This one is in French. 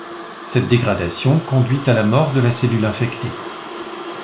Cette dégradation conduit à la mort de la cellule infectée.